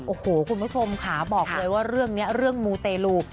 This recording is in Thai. โอ้โหคุณผู้ชมค่ะบอกเลยว่าเรื่องนี้เรื่องมูเตลู